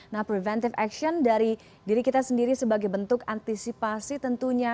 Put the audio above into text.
nah preventive action dari diri kita sendiri sebagai bentuk antisipasi tentunya